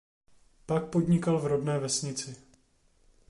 Pak podnikal v rodné vesnici.